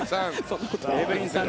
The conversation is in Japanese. エブリンさん。